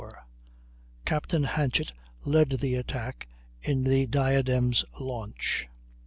Captain Hanchett led the attack in the Diadem's launch.